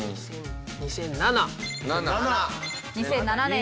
２００７年